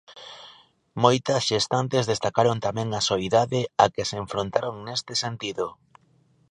Moitas xestantes destacaron tamén a "soidade" á que se enfrontaron neste sentido.